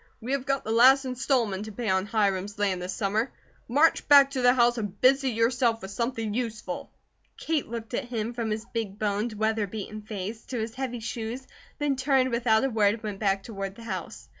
We have got the last installment to pay on Hiram's land this summer. March back to the house and busy yourself with something useful!" Kate looked at him, from his big boned, weather beaten face, to his heavy shoes, then turned without a word and went back toward the house.